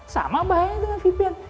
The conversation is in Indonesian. sama bahayanya dengan vpn